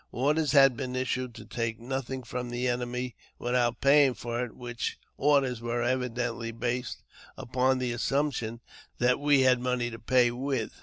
Orders had been issued to take nothing from the enemy without paying for it, which orders were evidently based upon the assumption that we had money to pay with.